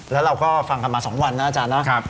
แล้วเราก็ฟังกันมา๒วันนะอาจารย์นะ